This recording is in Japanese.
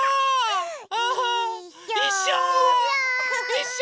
いっしょ！